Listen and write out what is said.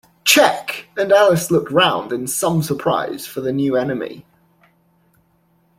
‘Check!’ and Alice looked round in some surprise for the new enemy.